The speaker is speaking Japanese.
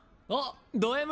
・ドＭ